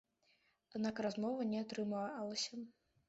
Аднак размовы не атрымалася.